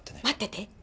待ってて。